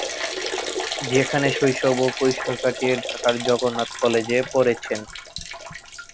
সেখানে শৈশব ও কৈশোর কাটিয়ে ঢাকার জগন্নাথ কলেজে পড়েছেন।